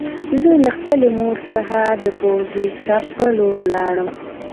زه له خپلې مور څخه د پوځي کمپ په لور لاړم